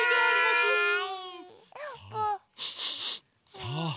さあ